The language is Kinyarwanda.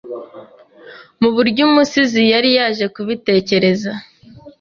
mu buryo umusizi yari yaje kubitekereza